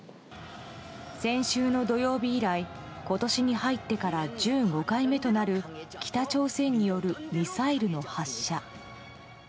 先週の土曜日以来今年に入ってから１５回目となる北朝鮮によるミサイルの発射。